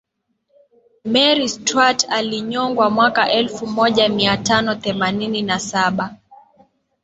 mary stuart alinyongwa mwaka elfu moja mia tano themanini na saba